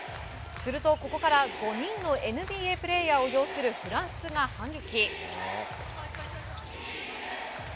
すると、ここから５人のＮＢＡプレーヤーを擁するフランスが反撃。